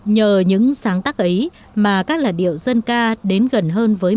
nhờ những sáng tác ấy mà các làn điệu dân ca đến gần hơn với